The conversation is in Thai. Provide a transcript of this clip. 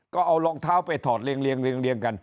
ก็เอารองเท้าไปถอดเรียงเรียงเรียงเรียงกัน